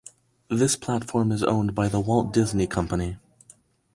This platform is owned by The Walt Disney Company.